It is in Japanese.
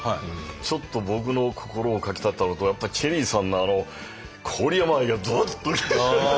ちょっと僕の心をかきたてたのとやっぱりチェリーさんあの郡山愛がどっと。